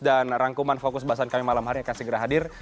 dan rangkuman fokus bahasan kami malam hari akan segera hadir